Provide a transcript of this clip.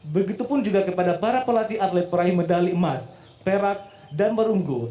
begitupun juga kepada para pelatih atlet peraih medali emas perak dan perunggu